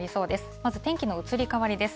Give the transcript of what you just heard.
まず天気の移り変わりです。